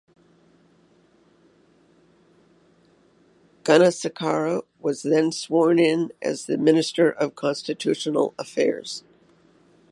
Gunasekara was then sworn in as the Minister for Constitutional Affairs.